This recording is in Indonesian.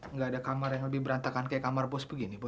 nggak ada kamar yang lebih berantakan kayak kamar pos begini bu